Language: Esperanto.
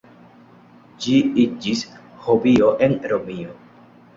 Ĝi iĝis hobio en Romio.